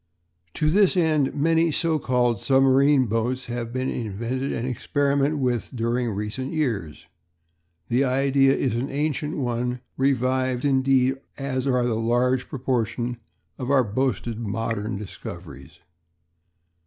To this end many so called submarine boats have been invented and experimented with during recent years. The idea is an ancient one revived, as indeed are the large proportion of our boasted modern discoveries.